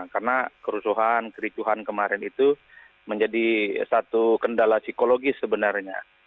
karena kerusuhan kericuhan kemarin itu menjadi satu kendala psikologis sebenarnya